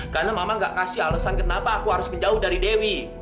karena mama gak kasih alasan kenapa aku harus menjauh dari dewi